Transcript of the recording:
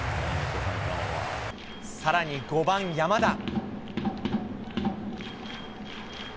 さらに５番山田。